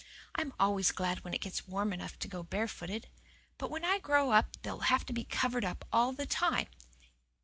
I'm always glad when it gets warm enough to go barefooted. But, when I grow up they'll have to covered all the time.